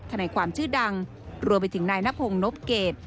นายความชื่อดังรวมไปถึงนายนพงศ์นพเกต